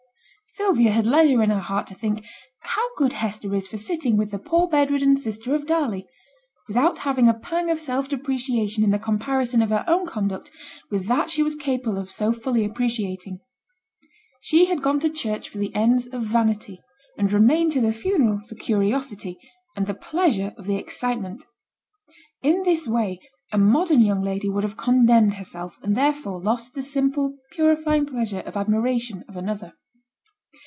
Sylvia had leisure in her heart to think 'how good Hester is for sitting with the poor bed ridden sister of Darley!' without having a pang of self depreciation in the comparison of her own conduct with that she was capable of so fully appreciating. She had gone to church for the ends of vanity, and remained to the funeral for curiosity and the pleasure of the excitement. In this way a modern young lady would have condemned herself, and therefore lost the simple, purifying pleasure of admiration of another.